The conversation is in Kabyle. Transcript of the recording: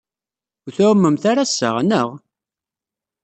Ur tɛummemt ara ass-a, anaɣ?